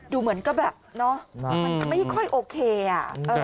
ดูเหมือนก็แบบเนาะมันไม่ค่อยโอเคอ่ะ